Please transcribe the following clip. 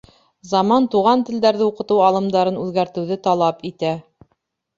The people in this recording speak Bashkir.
Заман туған телдәрҙе уҡытыу алымдарын үҙгәртеүҙе талап итә.